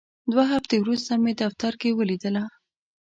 دوه هفتې وروسته مې دفتر کې ولیدله.